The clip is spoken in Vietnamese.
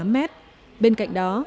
một tám m bên cạnh đó